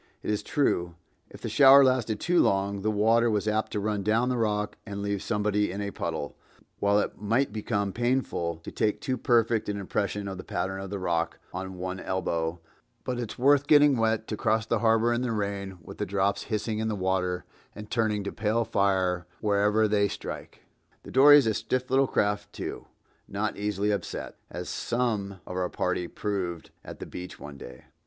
It is true, if the shower lasted too long, the water was apt to run down the rock and leave somebody in a puddle, while it might become painful to take too perfect an impression of the pattern of the rock on one elbow, but it's worth getting wet to cross the harbor in the rain with the drops hissing in the water and turning to pale fire wherever they strike. The dory is a stiff little craft, too, not easily upset, as some of our party proved at the beach one day.